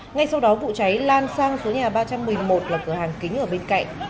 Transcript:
ngay sau đó vụ cháy lan sang số nhà ba trăm một mươi một là cửa hàng kính ở bên cạnh